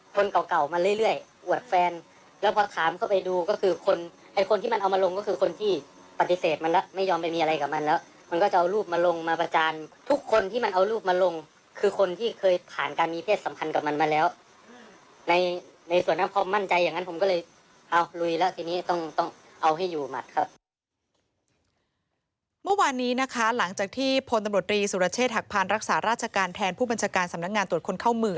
ก็ถามเข้าไปดูก็คือคนที่มันเอามาลงก็คือคนที่ปฏิเสธมันแล้วไม่ยอมไปมีอะไรกับมันแล้วมันก็จะเอารูปมาลงมาประจานทุกคนที่มันเอารูปมาลงคือคนที่เคยผ่านการมีเพศสัมพันธ์กับมันมาแล้วในส่วนนักภาพมั่นใจอย่างนั้นผมก็เลยเอาลุยแล้วทีนี้ต้องเอาให้อยู่หมดครับเมื่อวานนี้นะคะหลังจากที่พลตำรวจรีสุรเช